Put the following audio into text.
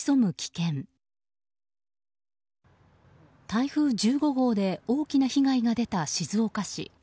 台風１５号で大きな被害が出た静岡市。